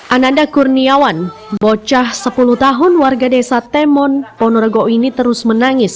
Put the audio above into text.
ananda kurniawan bocah sepuluh tahun warga desa temon ponorogo ini terus menangis